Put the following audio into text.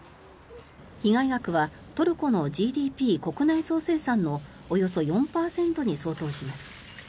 被害額はトルコのＧＤＰ・国内総生産のおよそ４％に相当します。